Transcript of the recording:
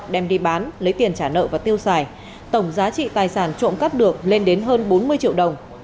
đem đi bán lấy tiền trả nợ và tiêu xài tổng giá trị tài sản trộm cắp được lên đến hơn bốn mươi triệu đồng